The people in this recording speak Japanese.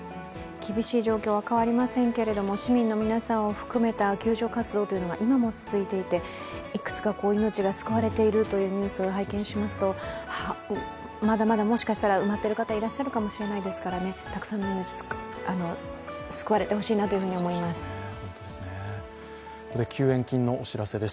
厳しい状況は変わりませんけれども、市民の皆さんを含めた救助活動というのが今も続いていて、いくつかこういう命が救われているというニュースを拝見しますとまだまだもしかしたら埋まっている方がいらっしゃるかもしれないですから、たくさんの命が救われてほしいなと思います。